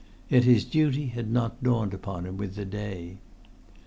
Yet his duty had not dawned upon him with the day.